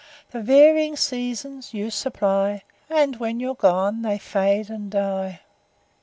The varying seasons you supply; And, when you're gone, they fade and die.